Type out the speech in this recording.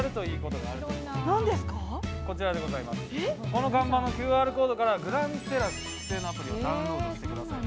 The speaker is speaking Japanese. この看板のＱＲコードからグランテラス筑西のアプリをダウンロードしてください。